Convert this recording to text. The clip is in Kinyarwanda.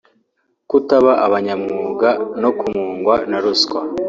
kutaba abanyamwuga no kumungwa na ruswa